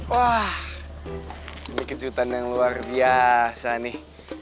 wah ini kejutan yang luar biasa nih